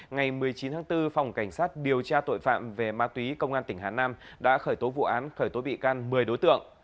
ngày một mươi chín tháng bốn phòng cảnh sát điều tra tội phạm về ma túy công an tỉnh hà nam đã khởi tố vụ án khởi tố bị can một mươi đối tượng